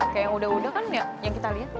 kayak yang udah udah kan ya yang kita liat